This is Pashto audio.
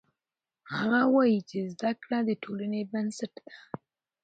هغه وایي چې زده کړه د ټولنې بنسټ ده